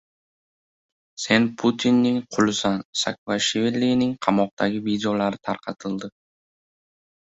“Sen Putinning qulisan”. Saakashvilining qamoqdagi videolari tarqatildi